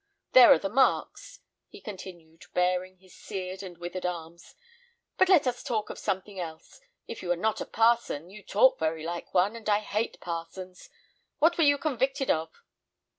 There are the marks," he continued, baring his seared and withered arms. "But let us talk of something else. If you are not a parson, you talk very like one, and I hate parsons. What were you convicted of?"